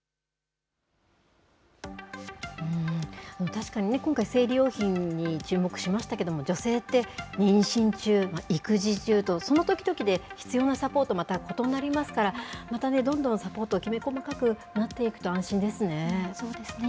確かにね、今回、生理用品に注目しましたけれども、女性って、妊娠中、育児中と、その時々で必要なサポート、また、異なりますから、またね、どんどんサポート、きめ細かくなっていくと安心ですね。